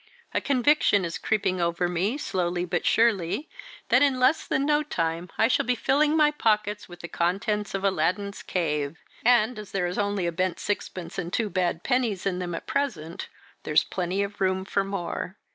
A conviction is creeping over me, slowly but surely, that in less time than no time I shall be filling my pockets with the contents of Aladdin's Cave and as there is only a bent sixpence and two bad pennies in them at present, there's plenty of room for more."